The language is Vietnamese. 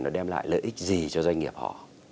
nó đem lại lợi ích gì cho doanh nghiệp họ